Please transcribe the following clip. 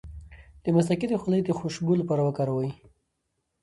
د مصطکي د خولې د خوشبو لپاره وکاروئ